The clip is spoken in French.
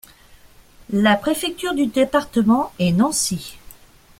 La préfecture du département est Nancy.